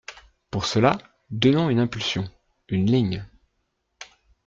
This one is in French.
Pour cela, donnons une impulsion, une ligne.